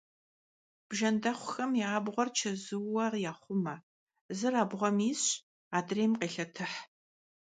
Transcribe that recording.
Bjjendexhuxem ya abğuer çezuure yaxhume; zır abğuem yisş, adrêym khêlhetıh.